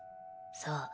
そう。